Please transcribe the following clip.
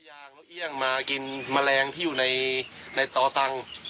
ยางนกเอี่ยงมากินแมลงที่อยู่ในต่อตังค์